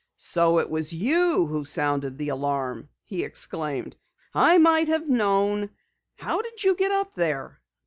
"So it was you who sounded the alarm!" he exclaimed. "I might have known! How did you get up there?"